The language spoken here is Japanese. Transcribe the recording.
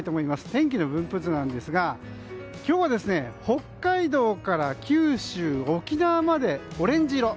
天気の分布図ですが今日は北海道から九州、沖縄までオレンジ色。